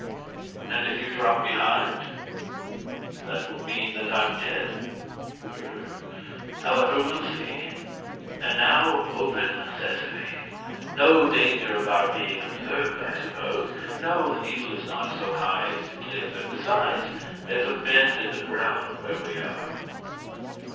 "And if you drop behind?" "That will mean that I'm dead." "B r r r r! However, we'll see. And now, open, sesame! No danger of our being observed, I suppose?" "No. The Needle is not so high as the cliff, and, besides, there's a bend in the ground where we are."